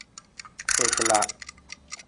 I kalaa.